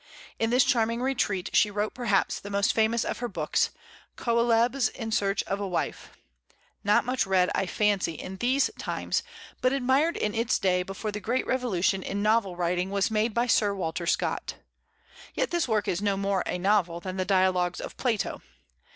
In this charming retreat she wrote perhaps the most famous of her books, "Coelebs in Search of a Wife," not much read, I fancy, in these times, but admired in its day before the great revolution in novel writing was made by Sir Walter Scott. Yet this work is no more a novel than the "Dialogues of Plato."